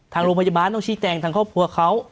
ทางโรงพยาบาลต้องชี้แจงทางครอบครัวเขา